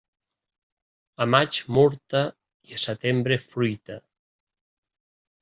A maig murta, i a setembre fruita.